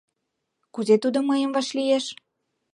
Кузе тудо мыйым вашлиеш?